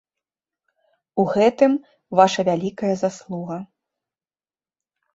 У гэтым ваша вялікая заслуга.